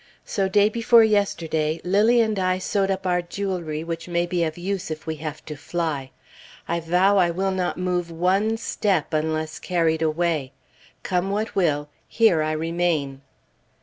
So day before yesterday, Lilly and I sewed up our jewelry, which may be of use if we have to fly. I vow I will not move one step, unless carried away. Come what will, here I remain.